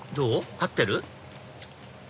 合ってる？